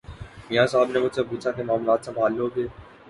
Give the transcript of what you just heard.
میاں صاحب نے مجھ سے پوچھا کہ معاملات سنبھال لو گے۔